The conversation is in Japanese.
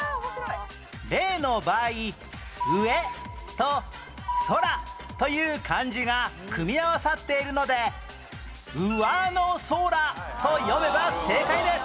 例の場合「上」と「空」という漢字が組み合わさっているので「うわのそら」と読めば正解です